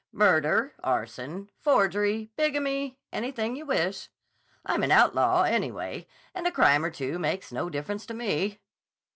"Murder, arson, forgery, bigamy, anything you wish. I'm an outlaw, anyway, and a crime or two makes no difference to me."